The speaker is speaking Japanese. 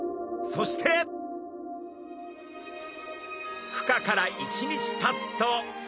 そしてふ化から１日たつと。